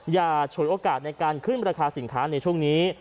ฉวยโอกาสในการขึ้นราคาสินค้าในช่วงนี้